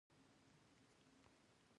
افغانستان به پرمختګ کوي؟